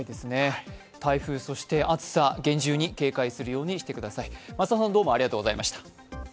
台風、そして暑さ、厳重に注意するようにしてください。